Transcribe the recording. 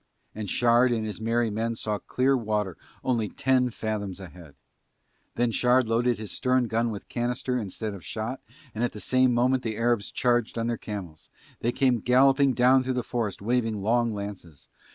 And Shard and his merry men saw clear water only ten fathoms ahead. Then Shard loaded his stern gun with canister instead of shot and at the same moment the Arabs charged on their camels; they came galloping down through the forest waving long lances.